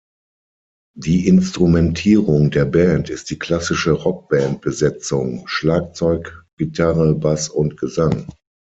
Die Instrumentierung der Band ist die klassische Rockband-Besetzung: Schlagzeug, Gitarre, Bass und Gesang.